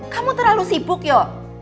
kamu terlalu sibuk yo